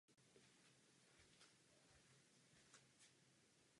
Po ukončení studia začala pracovat jako právnička.